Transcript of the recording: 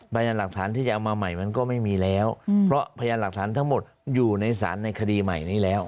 พยายามหลักฐานที่จะเอามาใหม่มันก็ไม่มีแล้วเพราะพยานหลักฐานทั้งหมดอยู่ในสารในคดีใหม่นี้แล้ว